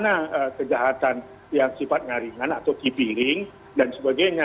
nah kejahatan yang sifat nyaringan atau kipiling dan sebagainya